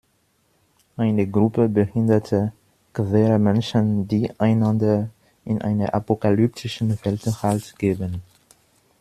Eine Gruppe behinderter, queerer Menschen, die einander in einer apokalyptischen Welt Halt geben.